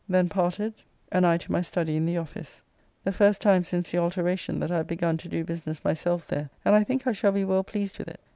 Then parted, and I to my study in the office. The first time since the alteracon that I have begun to do business myself there, and I think I shall be well pleased with it.